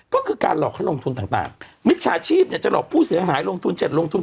ก็คือการหลอกให้ลงทุนต่างมิจฉาชีพเนี่ยจะหลอกผู้เสียหายลงทุน๗ลงทุน